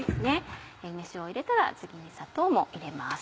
梅酒を入れたら次に砂糖も入れます。